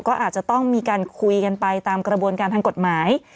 ก็อาจจะต้องมีการคุยกันไปตามกระบวนการทางกฎหมาย